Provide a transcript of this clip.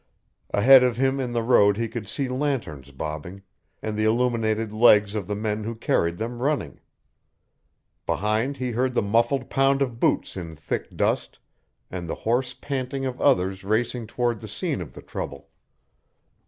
Ahead of him in the road he could see lanterns bobbing, and the illuminated legs of the men who carried them running. Behind he heard the muffled pound of boots in thick dust, and the hoarse panting of others racing toward the scene of the trouble.